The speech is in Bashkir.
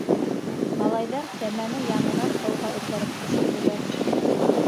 Малайҙар кәмәне яңынан һыуға этәреп төшөрҙөләр.